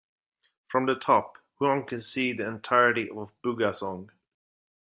From the top, one can see the entirety of Bugasong.